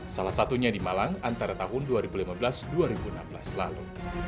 salah satunya di malang antara tahun dua ribu lima belas dua ribu enam belas lalu